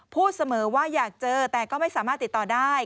พูดเสมอว่าอยากเจอแต่ก็ไม่สามารถติดต่อได้